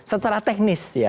secara teknis ya